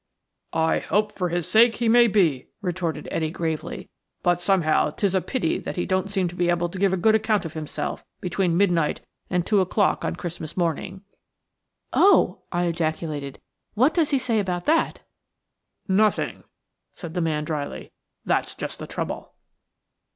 "I hope, for his sake, he may be," retorted Etty, gravely, "but somehow 'tis a pity that he don't seem able to give a good account of himself between midnight and two o'clock that Christmas morning." "Oh!" I ejaculated, "what does he say about that?" "Nothing," said the man dryly; "that's just the trouble."